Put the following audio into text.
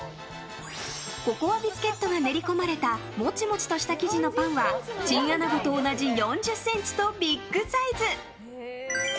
ココアビスケットが練り込まれたもちもちとした生地のパンはチンアナゴと同じ４０ｃｍとビッグサイズ。